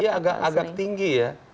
iya agak tinggi ya